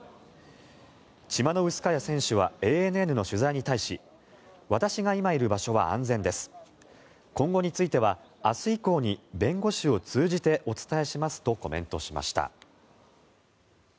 チマノウスカヤ選手はＡＮＮの取材に対し私が今いる場所は安全です今後については明日以降に弁護士を通じてお伝えしますとコメントしました。